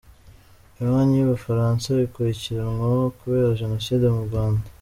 Ibanki y'Ubufaransa ikurikiranwa kubera jenoside mu Rwanda.